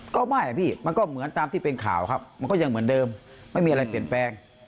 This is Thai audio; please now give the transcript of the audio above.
ก็ไม่อะพี่มันก็เหมือนตามที่เป็นข่าวครับมันก็ยังเหมือนเดิมไม่มีอะไรเปลี่ยนแปลง